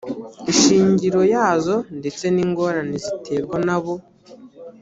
ishingiro yazo ndetse n’ingorane ziterwa na bo